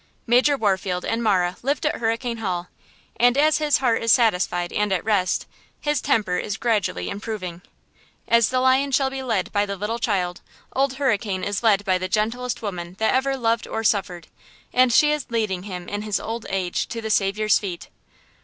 Major Warfield and Marah lived at Hurricane Hall and as his heart is satisfied and at rest, his temper is gradually improving. As the lion shall be led by the little child, Old Hurricane is led by the gentlest woman that ever loved or suffered, and she is leading him in his old age to the Saviour's feet.